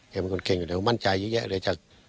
แกเป็นคนเก่งอยู่แล้วผมมั่นใจเยอะเลย